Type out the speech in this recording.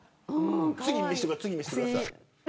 次、見せてください。